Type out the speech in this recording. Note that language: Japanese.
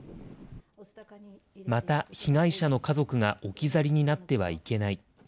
また被害者の家族が置き去りになってはいけない。